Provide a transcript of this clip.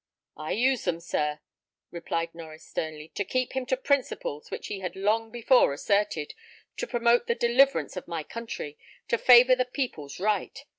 "I used them, sir," replied Norries, sternly, "to keep him to principles which he had long before asserted, to promote the deliverance of my country, to favour the people's right.